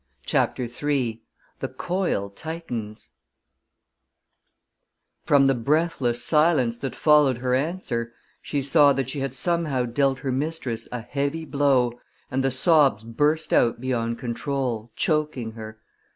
CHAPTER III The Coil Tightens From the breathless silence that followed her answer, she saw that she had somehow dealt her mistress a heavy blow, and the sobs burst out beyond control, choking her.